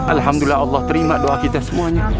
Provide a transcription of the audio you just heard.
alhamdulillah allah terima doa kita semuanya